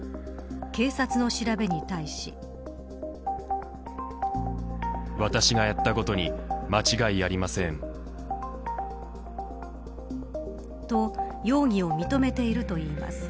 警察の調べに対し。と容疑を認めているといいます。